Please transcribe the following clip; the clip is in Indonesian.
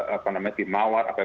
apakah namanya tim mawar apa yang